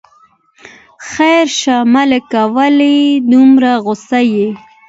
خیر شه ملکه، ولې دومره غوسه یې.